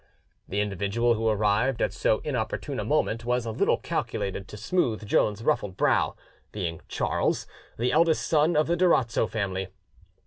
The individual who arrived at so inopportune a moment was little calculated to smooth Joan's ruffled brow, being Charles, the eldest son of the Durazzo family.